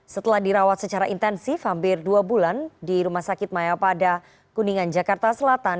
setelah dirawat secara intensif hampir dua bulan di rumah sakit maya pada kuningan jakarta selatan